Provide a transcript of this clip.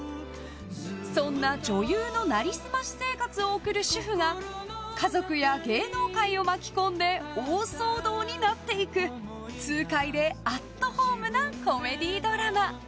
そんな女優の成り済まし生活を送る主婦が家族や芸能界を巻き込んで大騒動になっていく痛快でアットホームなコメディードラマ。